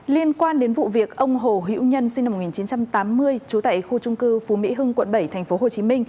liên quan đến vụ việc ông hồ hiễu nhân sinh năm một nghìn chín trăm tám mươi trú tại khu trung cư phú mỹ hưng quận bảy tp hcm